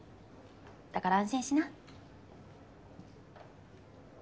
だから安心しな。